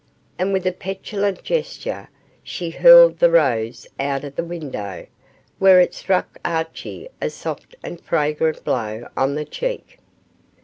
And with a petulant gesture she hurled the rose out of the window, where it struck Archie a soft and fragrant blow on the cheek.